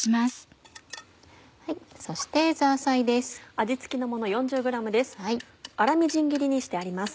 そしてザーサイです。